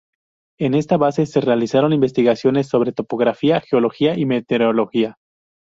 En esta base se realizaron investigaciones sobre topografía, geología y meteorología.